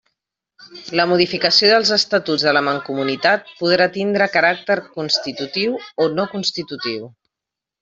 La modificació dels Estatuts de la Mancomunitat podrà tindre caràcter constitutiu o no constitutiu.